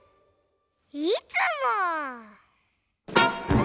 いつも！